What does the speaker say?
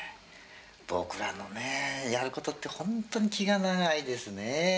僕らのやることって本当に気が長いですね。